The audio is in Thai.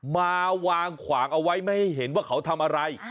มาวางขวางเอาไว้ไม่ให้เห็นว่าเขาทำอะไร